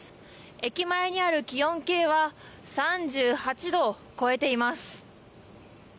駅前にある気温計は３８度を超えています。